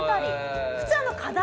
普通課題